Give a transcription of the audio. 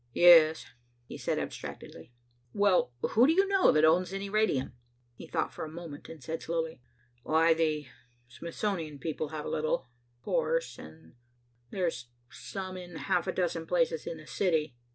"Yes," he said abstractedly. "Well, who do you know that owns any radium?" He thought for a moment and said slowly, "Why, the Smithsonian people have a little, of course, and there's some in half a dozen places in the city."